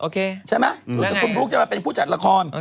คุณบรู๊คมาเป็นผู้จัดละคร